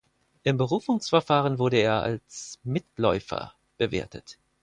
Im Berufungsverfahren wurde er als "Mitläufer" bewertet.